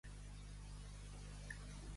Durar vida de cristians.